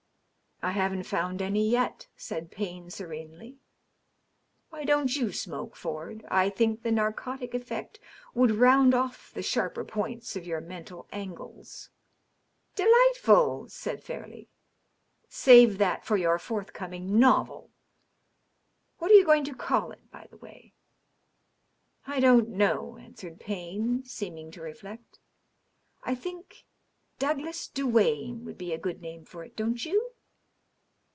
" I haven't found any yet,'' said Payne serenely. " Why don't you smoke, Ford ? I think the narcotic effect would round off the sharper points of your mental angles." " Delightful !" said Fairleigh. " Save that for your forthcoming novel. What are you going to call it, by the way ?"," I don't know," answered Payne, seeming to reflect. " I think nj ^ Douglas Duane ' would be a good name for it ; don't you